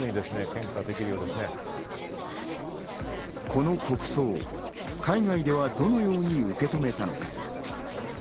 この国葬、海外ではどのように受け止めたのか？